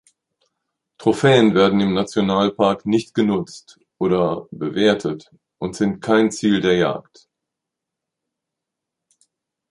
Trophäen werden im Nationalpark nicht genutzt oder bewertet und sind kein Ziel der Jagd.